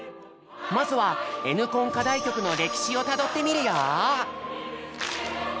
まずは「Ｎコン」課題曲の歴史をたどってみるよ！